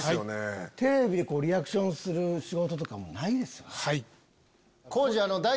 テレビでリアクションする仕事もないですよね。